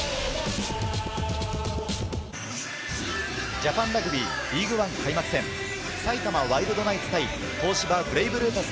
ジャパンラグビーリーグワン開幕戦、埼玉ワイルドナイツ対東芝ブレイブルーパス